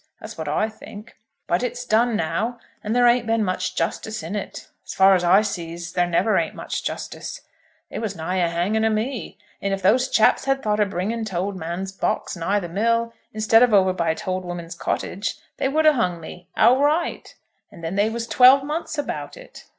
That's what I think. But it's done now, and there ain't been much justice in it. As far as I sees, there never ain't much justice. They was nigh a hanging o' me; and if those chaps had thought o' bringing t'old man's box nigh the mill, instead of over by t'old woman's cottage, they would a hung me; outright. And then they was twelve months about it!